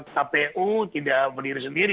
kpu tidak berdiri sendiri